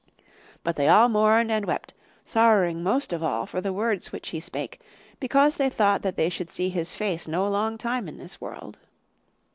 But they all mourned and wept, sorrowing most of all for the words which he spake, because they thought that they should see his face no long time in this world.